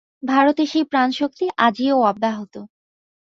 ভারতে সেই প্রাণশক্তি আজিও অব্যাহত।